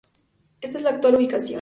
Esta es la actual ubicación.